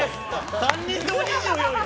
３人とも２４や！